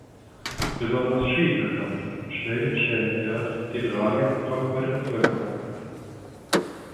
Besonders Che erkannte schnell den Stellenwert, den Radioprogramme bei der Bevölkerung hatten.